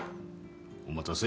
お待たせ。